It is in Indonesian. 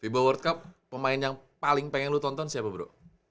fiba world cup pemain yang paling pengen lu tonton siapa bro